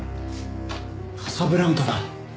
カサブランカだ。